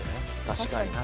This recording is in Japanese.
確かに。